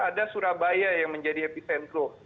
ada surabaya yang menjadi epicentrum